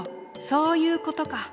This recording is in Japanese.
そういうことか。